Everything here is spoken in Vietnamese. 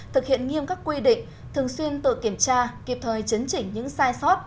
thực hiện nghiêm các quy định thường xuyên tự kiểm tra kịp thời chấn chỉnh những sai sót